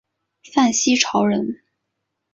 范希朝人。